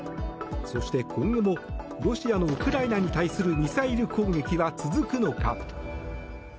そして、今後もロシアのウクライナに対するミサイル攻撃は続くのか。